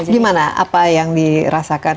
gimana apa yang dirasakan